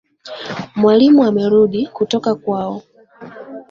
Mwalimu amerudi kutoka kwao